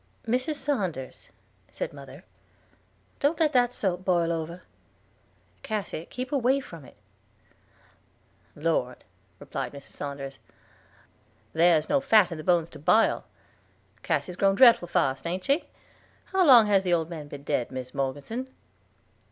"Mrs. Saunders," said mother, "don't let that soap boil over. Cassy, keep away from it." "Lord," replied Mrs. Saunders, "there's no fat in the bones to bile. Cassy's grown dreadful fast, ain't she? How long has the old man been dead, Mis Morgeson?"